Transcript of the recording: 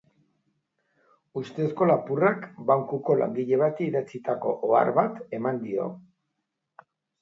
Ustezko lapurrak bankuko langile bati idatzitako ohar bat eman dio.